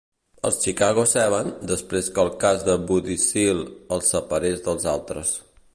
els "Chicago Seven", després que el cas de Bobby Seale el separés dels altres.